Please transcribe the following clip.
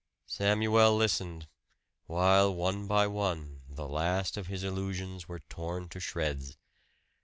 Samuel listened, while one by one the last of his illusions were torn to shreds.